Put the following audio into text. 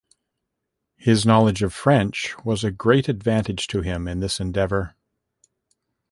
His knowledge of French was a great advantage to him in this endeavour.